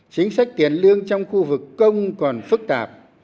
chính sách tiền lương trong khu vực công còn phức tạp